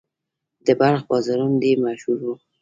د بلخ بازارونه ډیر مشهور وو